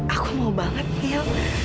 aku mau banget milo